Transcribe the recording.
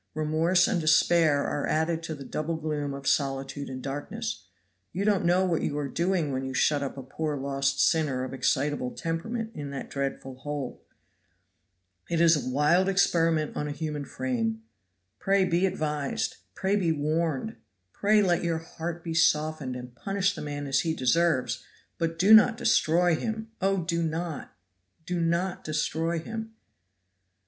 Remorse and despair are added to the double gloom of solitude and darkness. You don't know what you are doing when you shut up a poor lost sinner of excitable temperament in that dreadful hole. It is a wild experiment on a human frame. Pray be advised, pray be warned, pray let your heart be softened and punish the man as he deserves but do not destroy him! oh, do not! do not destroy him!"